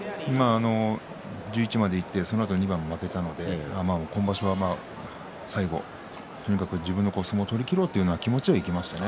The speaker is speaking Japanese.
１１までいってそのあと２番負けたので最後、とにかく自分の相撲を取り切ろうという気持ちでいきましたね。